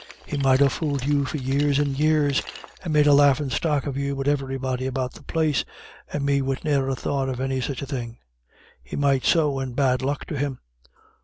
"He might ha' fooled you for years and years, and made a laughin' stock of you wid everybody about the place and me wid ne'er a thought of any such a thing he might so, and bad luck to him....